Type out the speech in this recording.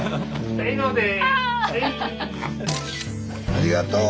ありがとう。